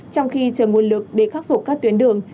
trong khi chờ nguồn lực để khắc phục các tuyến đường